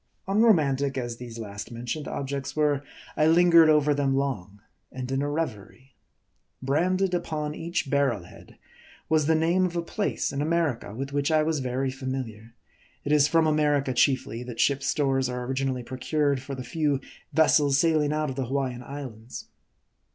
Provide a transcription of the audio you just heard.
Unromantic as these last mentioned objects were, I lingered over them long, and in a revery. Branded upon each barrel head was the name of a place in America, with which I was very familiar. It is from America chiefly, that ship's stores are originally pro cured for the few vessels sailing out of the Hawaiian Islands.